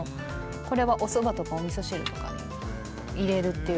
これはおそばとかおみそ汁とかに入れるっている